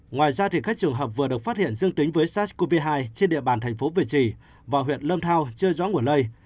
ngoài ra các trường hợp vừa được phát hiện dương tính với sars cov hai trên địa bàn thành phố việt trì và huyện lâm thao chưa rõ nguồn lây